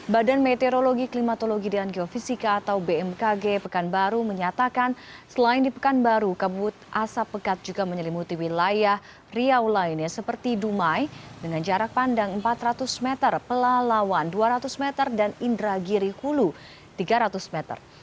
badan meteorologi klimatologi dan geofisika atau bmkg pekanbaru menyatakan selain di pekanbaru kabut asap pekat juga menyelimuti wilayah riau lainnya seperti dumai dengan jarak pandang empat ratus meter pelalawan dua ratus meter dan indragiri hulu tiga ratus meter